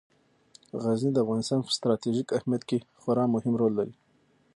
غزني د افغانستان په ستراتیژیک اهمیت کې خورا مهم رول لري.